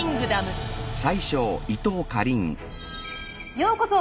ようこそ！